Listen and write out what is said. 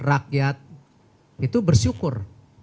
rakyat itu bersyukur